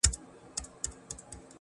• خدای زموږ معبود دی او رسول مو دی رهبر.